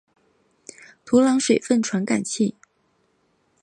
土壤水分传感器。